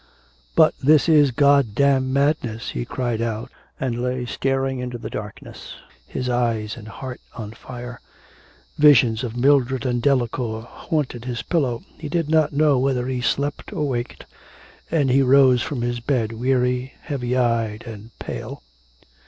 'But this is God damned madness,' he cried out, and lay staring into the darkness, his eyes and heart on fire. Visions of Mildred and Delacour haunted his pillow, he did not know whether he slept or waked; and he rose from his bed weary, heavy eyed, and pale.